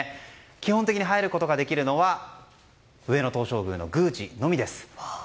基本的に入ることができるのは上野東照宮の宮司のみです。